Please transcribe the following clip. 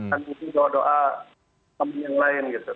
dan juga doa doa pembunuh yang lain